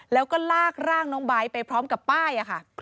แล้วก็ลากร่างน้องไบท์ไปพร้อมกับป้ายค่ะ